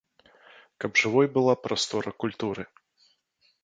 Каб жывой была прастора культуры.